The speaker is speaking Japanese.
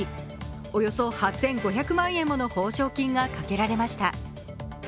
およそ８５００万円の報奨金がかけられました。